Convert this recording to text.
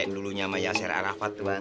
dulunya maja syarrafat bang